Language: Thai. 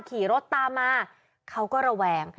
ขี่รถตามมาเขาก็ระแวง